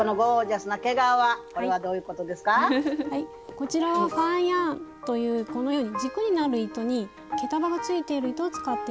こちらはファーヤーンというこのように軸になる糸に毛束がついている糸を使っています。